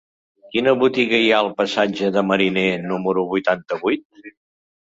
Quina botiga hi ha al passatge de Mariner número vuitanta-vuit?